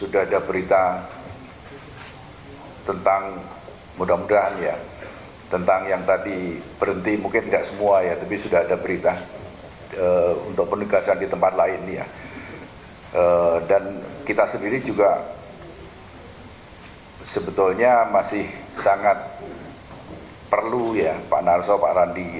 dan kita sendiri juga sebetulnya masih sangat perlu ya pak narso pak randi